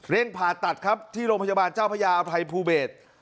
ผ่าตัดครับที่โรงพยาบาลเจ้าพระยาอภัยภูเบศ